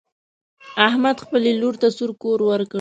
احمد خپلې لور ته سور کور ورکړ.